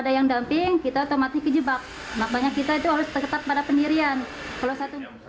ada yang damping kita otomatis kejebak makanya kita itu harus tetap pada pendirian kalau satu